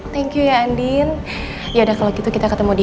thank you ya andin yaudah kalo gitu kita ketemu di